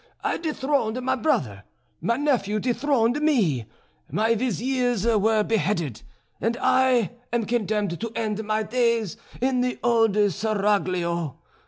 I dethroned my brother; my nephew dethroned me, my viziers were beheaded, and I am condemned to end my days in the old Seraglio.